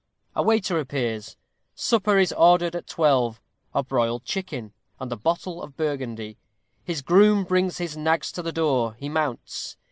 A waiter appears supper is ordered at twelve a broiled chicken and a bottle of Burgundy his groom brings his nags to the door he mounts.